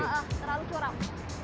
iya terlalu curang